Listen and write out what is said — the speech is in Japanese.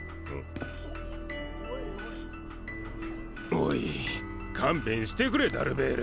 おいかんべんしてくれダルベール。